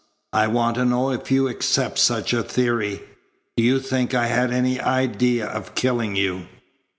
I want to know if you accept such a theory. Do you think I had any idea of killing you?"